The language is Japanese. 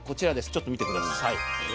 ちょっと見て下さい。